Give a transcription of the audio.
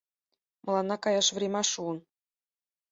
Мыланна каяш врема шуын